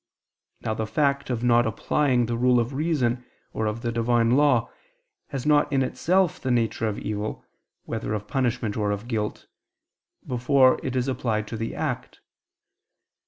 Now the fact of not applying the rule of reason or of the Divine law, has not in itself the nature of evil, whether of punishment or of guilt, before it is applied to the act.